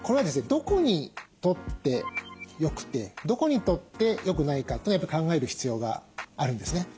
どこにとって良くてどこにとって良くないかというのをやっぱり考える必要があるんですね。